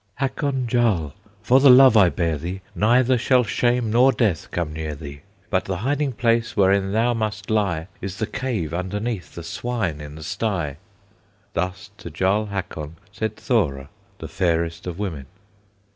"Hakon Jarl! for the love I bear thee Neither shall shame nor death come near thee! But the hiding place wherein thou must lie Is the cave underneath the swine in the sty." Thus to Jarl Hakon Said Thora, the fairest of women.